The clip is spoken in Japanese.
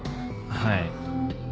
はい。